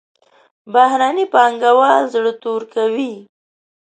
بهرني پانګوال زړه تور کوي.